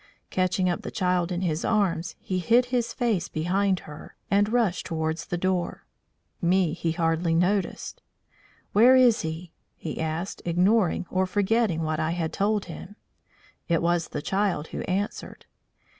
Catching up the child in his arms, he hid his face behind her and rushed towards the door. Me he hardly noticed. "Where is he?" he asked, ignoring or forgetting what I had told him. It was the child who answered.